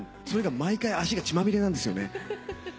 それが毎回脚が血まみれなんですよね。